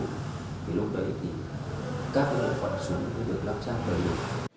thì lúc đấy thì các loại quản súng cũng được lắp sát đầy đủ